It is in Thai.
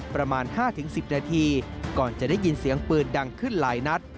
ประมาณ๕๑๐นาทีก่อนจะได้ยินเสียงปืนดังขึ้นหลายนัด